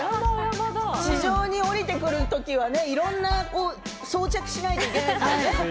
地上に降りてくるときは、いろんなものを装着しないといけないですもんね。